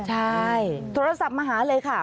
ใช่โทรศัพท์มาหาเลยค่ะ